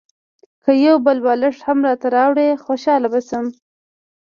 که یو بل بالښت هم راته راوړې خوشاله به شم.